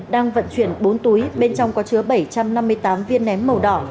đang vận chuyển bốn túi bên trong có chứa bảy trăm năm mươi tám viên nén màu đỏ